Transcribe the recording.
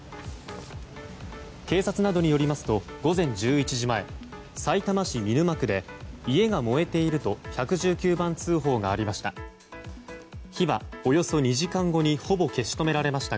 警察などによりますと午前１１時前さいたま市見沼区で家が燃えていると１１９番通報がありました。